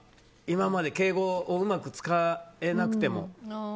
今まで敬語をうまく使えなくても。